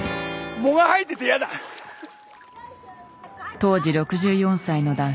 当時６４歳の談志。